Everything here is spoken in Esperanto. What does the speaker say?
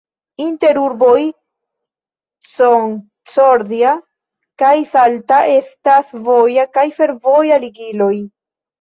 Inter urboj Concordia kaj Salta estas voja kaj fervoja ligiloj.